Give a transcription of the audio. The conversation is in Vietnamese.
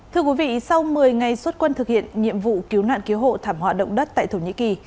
thưa quý vị sau một mươi ngày xuất quân thực hiện nhiệm vụ cứu nạn cứu hộ thảm họa động đất tại thổ nhĩ kỳ